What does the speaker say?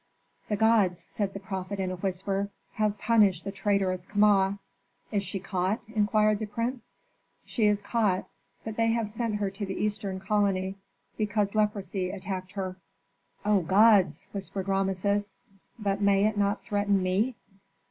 "The gods," said the prophet in a whisper, "have punished the traitorous Kama." "Is she caught?" inquired the prince. "She is caught, but they have sent her to the eastern colony, because leprosy attacked her." "O gods!" whispered Rameses. "But may it not threaten me?"